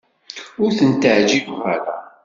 Ur tent-ɛjibeɣ ara.